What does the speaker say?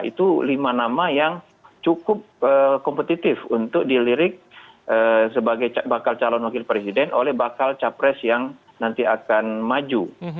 itu lima nama yang cukup kompetitif untuk dilirik sebagai bakal calon wakil presiden oleh bakal capres yang nanti akan maju